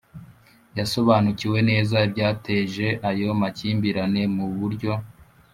yasobanukiwe neza ibyateje ayo makimbirane mu buryo